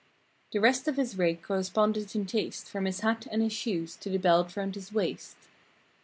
The rest of his rig corresponded in taste, From his hat and his shoes to the belt round his waist.